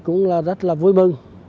cũng rất là vui mừng